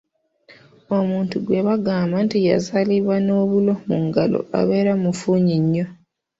Omuntu gwe bagamba nti yazaalibwa n'obulo mu ngalo abeera mufunyi nnyo.